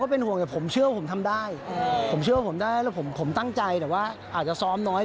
ผมเชื่อว่าผมได้แล้วผมตั้งใจแต่ว่าอาจจะซ้อมน้อย